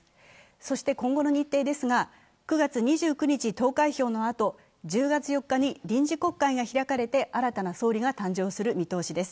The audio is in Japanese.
そして今後の日程ですが、９月２９日投開票のあと、投開票のあと、１０月４日に臨時国会が開かれて、新たな総理が誕生する見通しです。